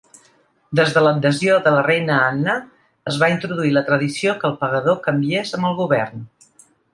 Des de l'adhesió de la reina Anna, es va introduir la tradició que el pagador canviés amb el govern.